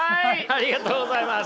ありがとうございます。